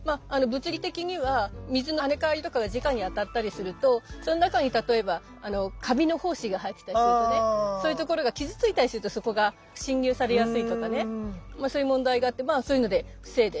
物理的には水の跳ね返りとかがじかに当たったりするとその中に例えばカビの胞子が入ってたりするとねそういう所が傷ついたりするとそこが侵入されやすいとかねまあそういう問題があってまあそういうので防いでる。